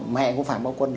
mẹ của phạm bảo quân